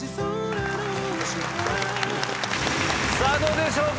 さあどうでしょうか？